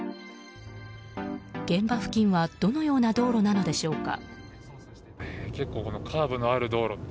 現場付近はどのような道路なのでしょうか。